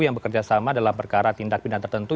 yang bekerja sama dalam perkara tindak pidana tertentu